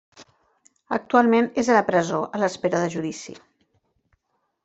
Actualment és a la presó a l'espera de judici.